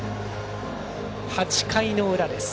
８回の裏です。